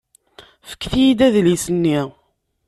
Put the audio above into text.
Fket-iyi-d adlis-nni.